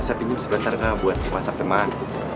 saya pinjam sebentar gak buat whatsapp teman